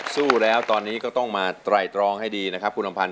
สู้แล้วตอนนี้ก็ต้องมาไตรตรองให้ดีนะครับคุณอำพันธ